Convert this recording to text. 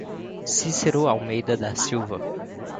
Cicero Almeida da Silva